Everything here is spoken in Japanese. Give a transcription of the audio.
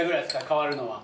替わるのは。